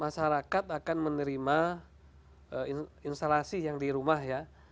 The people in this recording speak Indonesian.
masyarakat akan menerima instalasi yang di rumah ya